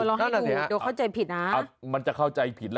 เออเราให้ดูเดี๋ยวเข้าใจผิดนะ